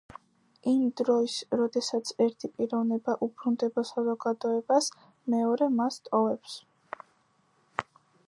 იმ დროს, როდესაც ერთი პიროვნება უბრუნდება საზოგადოებას, მეორე მას ტოვებს.